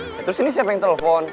ya terus ini siapa yang telepon